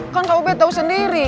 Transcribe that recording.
kan kak ubed tau sendiri